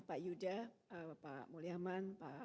untuk itu langsung saja saya persilahkan kepada masing masing narasumber